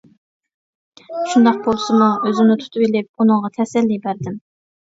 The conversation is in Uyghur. شۇنداق بولسىمۇ ئۆزۈمنى تۇتۇۋېلىپ، ئۇنىڭغا تەسەللى بەردىم.